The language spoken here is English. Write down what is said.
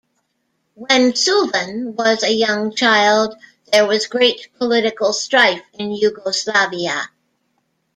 When Suvin was a young child, there was great political strife in Yugoslavia.